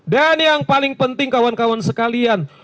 dan yang paling penting kawan kawan sekalian